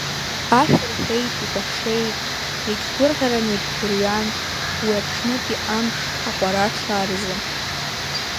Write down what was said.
Ашәа рҳәеит, икәашеит, иагьгәырӷьаран, иагьгәырҩран уи аҽынтәи амш Аҟәарашаа рзы.